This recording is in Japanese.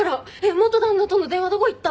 元旦那との電話はどこいった？